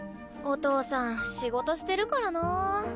お父さん仕事してるからなあ。